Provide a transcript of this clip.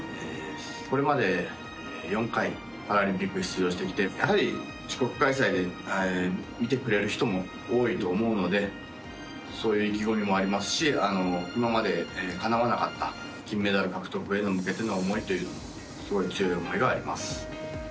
これまで４回パラリンピック出場してきてやはり自国開催で見てくれる人も多いと思うのでそういう意気込みもありますし今までかなわなかった金メダル獲得に向けての思いというのはすごい強い思いがあります。